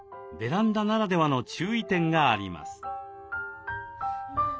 ベランダならではの注意点があります。